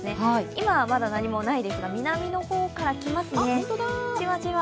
今はまだ何もないですが、南の方から来ますね、じわじわ。